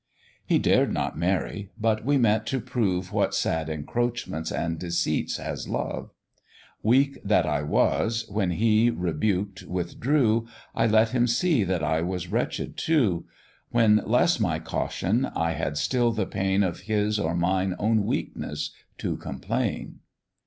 "He dared not marry, but we met to prove What sad encroachments and deceits has love: Weak that I was, when he, rebuked, withdrew, I let him see that I was wretched too; When less my caution, I had still the pain Of his or mine own weakness to complain.